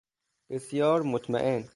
بسیار مطمئن